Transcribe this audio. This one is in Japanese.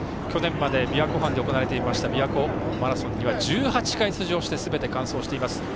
去年まで琵琶湖畔で行われていたびわ湖マラソンでは１８回出場してすべて完走しています。